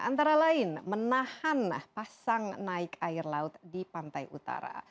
antara lain menahan pasang naik air laut di pantai utara